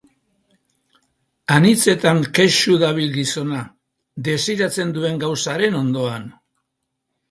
Anitzetan kexu dabil gizona, desiratzen duen gauzaren ondoan.